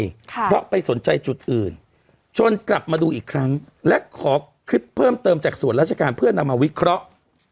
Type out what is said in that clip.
ค่ะเพราะไปสนใจจุดอื่นจนกลับมาดูอีกครั้งและขอคลิปเพิ่มเติมจากส่วนราชการเพื่อนำมาวิเคราะห์